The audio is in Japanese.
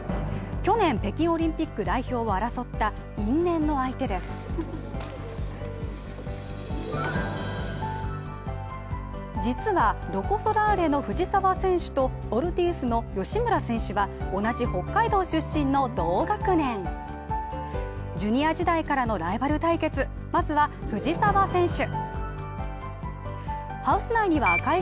去年北京オリンピック代表を争った因縁の実はロコ・ソラーレの藤澤選手とフォルティウスの吉村選手は同じ北海道出身の同学年ジュニア時代からのライバル対決、まずは藤澤選手。